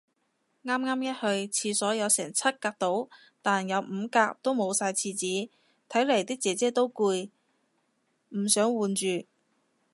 啱啱一去，廁所有成七格到。但有五格，都冇晒廁紙，睇嚟啲姐姐都累，唔想換住